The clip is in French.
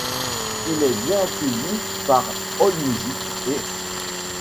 Il est bien accueilli par AllMusic, ' et '.